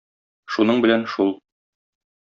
Шуның белән шул.